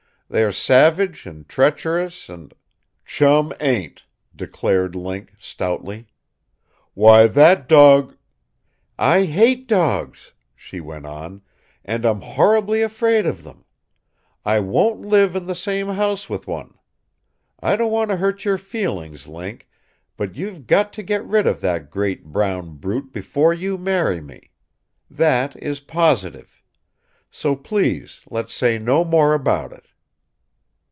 They are savage and treacherous and " "Chum ain't!" declared Link stoutly. "Why, that dog " "I hate dogs," she went on, "and I'm horribly afraid of them. I won't live in the same house with one. I don't want to hurt your feelings, Link, but you'll have to get rid of that great brown brute before you marry me. That is positive. So please let's say no more about it."